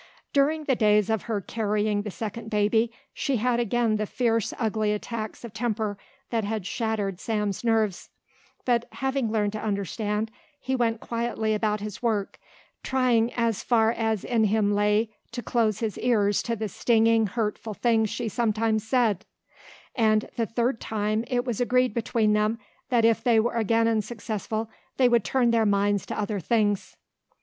During the days of her carrying the second baby she had again the fierce ugly attacks of temper that had shattered Sam's nerves, but having learned to understand, he went quietly about his work, trying as far as in him lay to close his ears to the stinging, hurtful things she sometimes said; and the third time, it was agreed between them that if they were again unsuccessful they would turn their minds to other things.